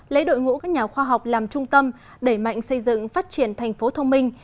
lấy đội ngũ các nhà khoa học làm trung tâm đẩy mạnh xây dựng phát triển thành phố thông minh